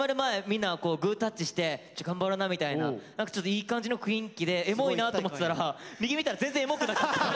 みんなグータッチして「頑張ろな」みたいなちょっといい感じの雰囲気でエモいなと思ってたら右見たら全然エモくなかった。